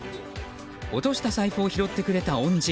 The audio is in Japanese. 落とした財布を拾ってくれた恩人。